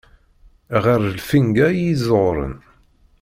Ɣer lfinga iyi-ẓuɣṛen.